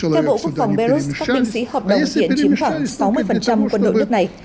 theo bộ quốc phòng belarus các binh sĩ hợp đồng hiện chiếm khoảng sáu mươi quân đội nước này